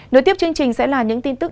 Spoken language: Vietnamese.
nối tiếp chương trình sẽ là những tin tức